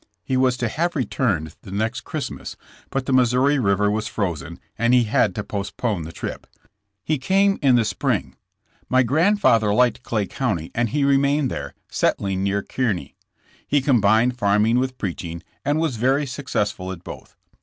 He was to have returned the next Christmas, but the Missouri river was frozen and he had to postpone the trip. He came in the spring. My grandfather liked Clay County and he remained there, settling near Kearney. He combined 22 JESSK JAMES. farming with preaching and was very successful at both.